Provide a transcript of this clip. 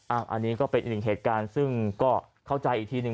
อันนี้ก็เป็นอีกหนึ่งเหตุการณ์ซึ่งก็เข้าใจอีกทีหนึ่ง